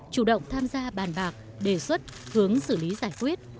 chủ động tham gia bàn bạc đề xuất hướng xử lý giải quyết